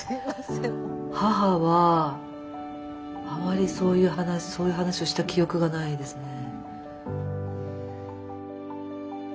母はあまりそういう話をした記憶がないですね。